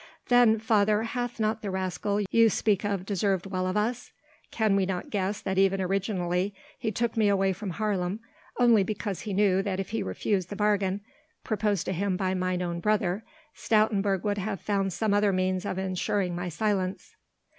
"Then, father, hath not the rascal you speak of deserved well of us? Can we not guess that even originally he took me away from Haarlem, only because he knew that if he refused the bargain, proposed to him by mine own brother, Stoutenburg would have found some other means of ensuring my silence."